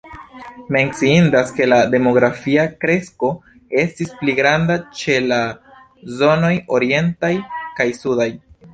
Menciindas ke la demografia kresko estis pli granda ĉe la zonoj orientaj kaj sudaj.